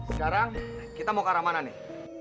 sekarang kita mau ke arah mana nih